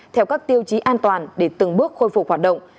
theo các tiêu chí an toàn để từng bước khôi phục hoạt động